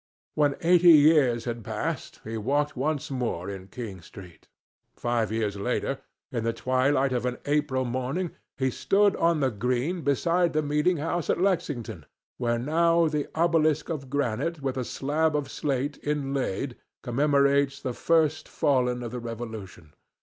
When eighty years had passed, he walked once more in King street. Five years later, in the twilight of an April morning, he stood on the green beside the meeting house at Lexington where now the obelisk of granite with a slab of slate inlaid commemorates the first fallen of the Revolution.